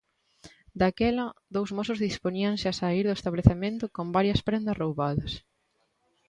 Daquela, dous mozos dispoñíanse a saír do establecemento con varias prendas roubadas.